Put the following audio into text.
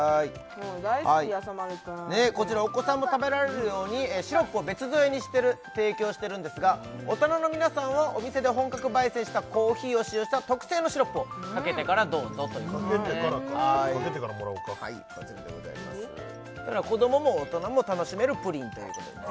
もう大好きやさ丸くんこちらお子さんも食べられるようにシロップを別添えにしてる提供してるんですが大人の皆さんはお店で本格ばい煎したコーヒーを使用した特製のシロップをかけてからどうぞということですねかけてからかかけてからもらおうか子供も大人も楽しめるプリンということでね